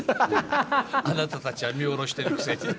あなたたちは見下ろしてるくせに。